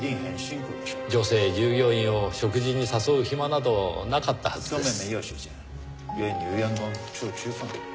女性従業員を食事に誘う暇などなかったはずです。